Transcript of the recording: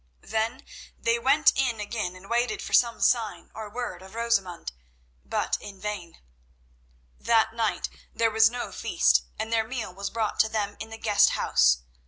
Then they went in again and waited for some sign or word of Rosamund, but in vain. That night there was no feast, and their meal was brought to them in the guest house.